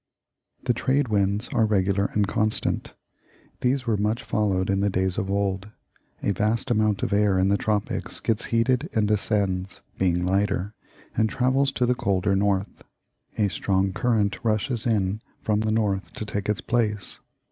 The trade winds are regular and constant. These were much followed in the days of old. A vast amount of air in the tropics gets heated and ascends, being lighter, and travels to the colder north. A strong current rushes in from the north to take its place.